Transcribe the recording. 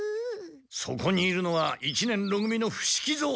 そこにいるのは一年ろ組の伏木蔵。